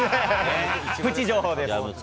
プチ情報です。